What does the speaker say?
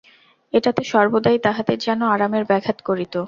এটাতে সর্বদাই তাহাদের যেন আরামের ব্যাঘাত করিত।